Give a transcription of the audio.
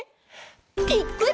ぴっくり！